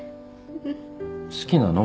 好きなの？